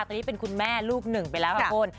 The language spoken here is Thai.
ตอนนี้เป็นคุณแม่ลูกหนึ่งไปแล้วค่ะคุณ